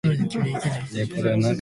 冬になると手がすぐに乾きます。